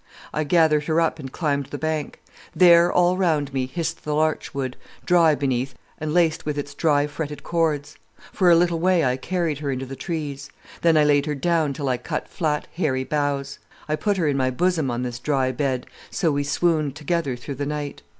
"I gathered her up and climbed the bank. There all round me hissed the larchwood, dry beneath, and laced with its dry fretted cords. For a little way I carried her into the trees. Then I laid her down till I cut flat hairy boughs. I put her in my bosom on this dry bed, so we swooned together through the night.